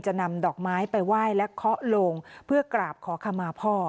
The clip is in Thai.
นำดอกไม้ไปไหว้และเคาะโลงเพื่อกราบขอขมาพ่อ